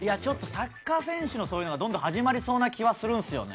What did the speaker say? サッカー選手のそういうのが始まりそうな気がするんですよね。